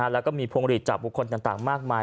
แล้วก็มีพวงฤทธิ์จับบุคคลต่างมากมาย